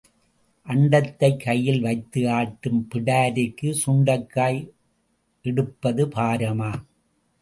அண்டத்தைக் கையில் வைத்து ஆட்டும் பிடாரிக்குச் சுண்டைக்காய் எடுப்பது பாரமா?